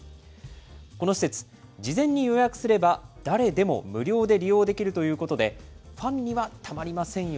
この施設、事前に予約すれば、誰でも無料で利用できるということで、ファンにはたまりませんよ